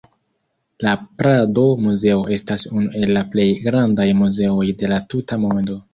La Prado-Muzeo estas unu el la plej grandaj muzeoj de la tuta mondo.